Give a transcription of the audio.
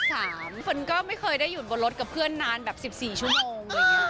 เหมือนก็ไม่เคยได้อยู่บนรถกับเพื่อนนานแบบ๑๔ชั่วโมง